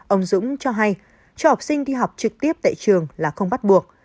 ông dũng cho hay cho học sinh đi học trực tiếp tại trường là không bắt buộc